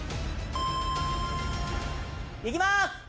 いきます！